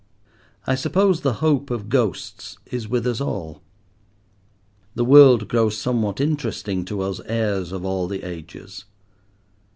I suppose the hope of ghosts is with us all. The world grows somewhat interesting to us heirs of all the ages.